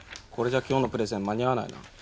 これじゃ今日のプレゼン間に合わないな。